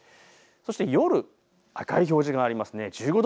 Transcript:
そして夜、赤い表示がありますね。